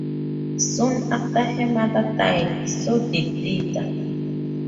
Soon after her mother died, so did Tita.